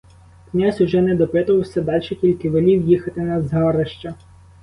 Князь уже не допитувався дальше, тільки велів їхати на згарища.